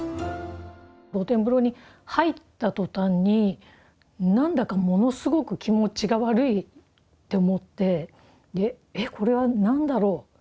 露天風呂に入ったとたんに何だかものすごく気持ちが悪いって思って「えっこれは何だろう。